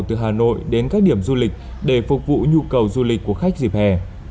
từ hà nội đến các điểm du lịch để phục vụ nhu cầu du lịch của khách dịp hè